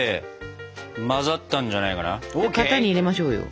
型に入れましょうよ。